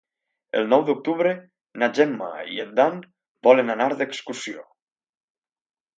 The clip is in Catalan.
El nou d'octubre na Gemma i en Dan volen anar d'excursió.